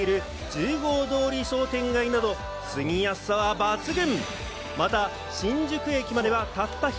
十号通り商店街など、住みやすさは抜群。